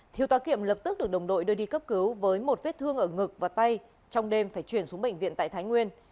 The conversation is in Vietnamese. thiếu tá kiểm lập tức được đồng đội đưa đi cấp cứu với một vết thương ở ngực và tay trong đêm phải chuyển xuống bệnh viện tại thái nguyên